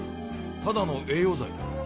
ただの栄養剤だ。